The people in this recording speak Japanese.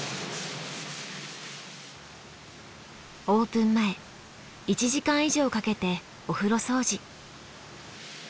オープン前１時間以上かけてお風呂掃除。